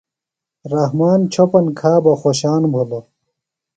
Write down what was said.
رحمان چھوۡپن کھا بہ خوۡشان بِھلوۡ۔